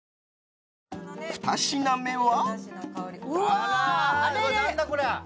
２品目は。